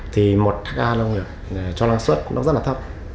thì một ha nông nghiệp cho năng suất cũng rất là thấp